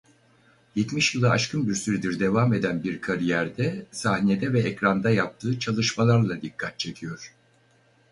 Yetmiş yılı aşkın bir süredir devam eden bir kariyerde sahnede ve ekranda yaptığı çalışmalarla dikkat çekiyor.